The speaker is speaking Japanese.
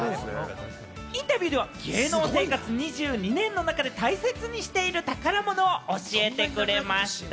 インタビューでは芸能生活２２年の中で大切にしている宝物を教えてくれました。